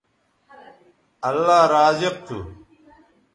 اللہ رازق تھو